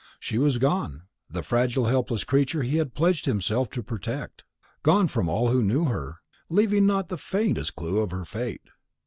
She was gone, the fragile helpless creature he had pledged himself to protect; gone from all who knew her, leaving not the faintest clue to her fate.